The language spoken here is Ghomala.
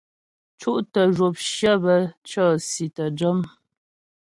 Cútə zhwəpshyə bə́ cɔ̀si tə́ jɔm.